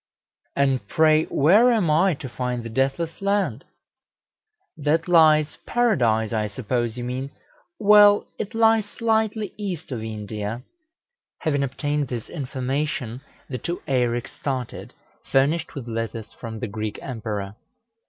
"And pray where am I to find the Deathless Land?" "That lies Paradise, I suppose, you mean well, it lies slightly east of India." Having obtained this information, the two Eireks started, furnished with letters from the Greek Emperor.